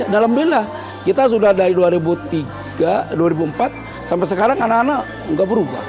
alhamdulillah kita sudah dari dua ribu tiga dua ribu empat sampai sekarang anak anak nggak berubah